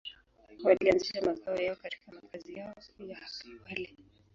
Walianzisha makao yao katika makazi yao ya hapo awali.